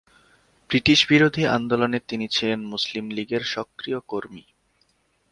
British বিরোধী আন্দোলনে তিনি ছিলেন মুসলিম লীগের সক্রিয় কর্মী।